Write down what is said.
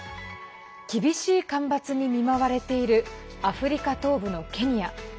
厳しい干ばつに見舞われているアフリカ東部のケニア。